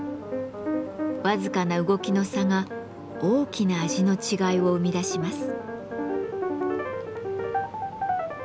僅かな動きの差が大きな味の違いを生み出します。